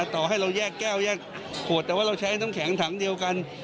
ต่อให้เราแยกแก้วแยกขวดแต่ว่าเราใช้น้ำแข็งถังเดียวกัน